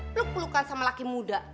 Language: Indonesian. peluk pelukan sama laki muda